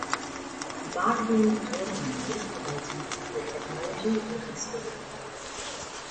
A Marketing Working Group promotes the use of the technology and the consortium.